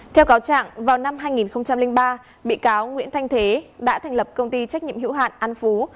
theo cáo trạng vào năm hai nghìn ba bị cáo nguyễn thanh thế đã thành lập công ty trách nhiệm hữu hạn an phú